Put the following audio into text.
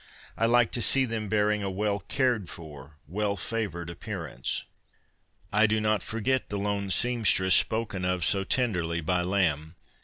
I like to see them bearing a well cared for, well favoured appearance. I do not forget the ' lone sempstress ' spoken of so tenderly by Lamb.